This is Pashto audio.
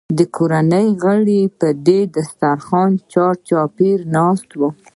د کورنۍ غړي به د دسترخوان چارچاپېره ناست وو.